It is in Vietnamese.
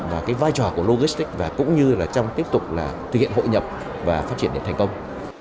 và cái vai trò của logistics và cũng như là trong tiếp tục là thực hiện hội nhập và phát triển đến thành công